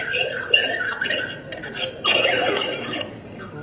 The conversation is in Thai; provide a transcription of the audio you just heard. จากครั้งนี้